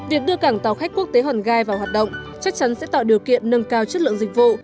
việc đưa cảng tàu khách quốc tế hòn gai vào hoạt động chắc chắn sẽ tạo điều kiện nâng cao chất lượng dịch vụ